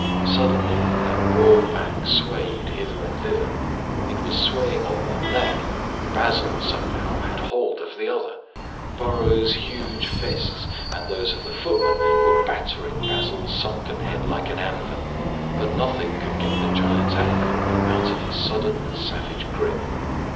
Suddenly that broad back swayed hither and thither. It was swaying on one leg; Basil, somehow, had hold of the other. Burrows' huge fists and those of the footman were battering Basil's sunken head like an anvil, but nothing could get the giant's ankle out of his sudden and savage grip.